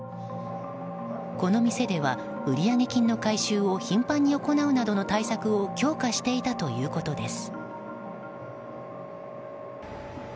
この店では売上金の回収を頻繁に行うなどの対策を強化していたということです。